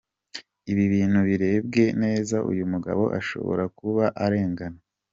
ibi bintu birebwe neza uyu mugabo ashobora kuba arengana.